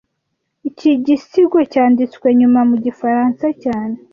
Iki gisigo cyanditswe nyuma mu gifaransa cyane